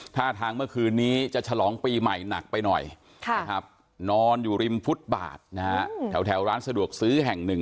ท่าทางเมื่อคืนนี้จะฉลองปีใหม่หนักไปหน่อยนะครับนอนอยู่ริมฟุตบาทนะฮะแถวร้านสะดวกซื้อแห่งหนึ่ง